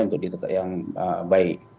untuk ditetapkan yang baik